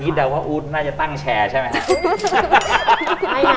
นี่เดาว่าอู๋น่าจะตั้งแชร์ใช่ไหม